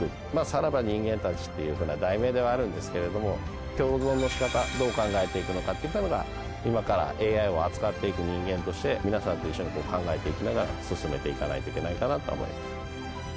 『さらばだ、人間たち』っていう題名ではあるんですけれども共存の仕方どう考えていくのかっていったのが今からＡＩを扱っていく人間として皆さんと一緒に考えていきながら進めていかないといけないかなと思います。